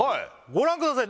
ご覧ください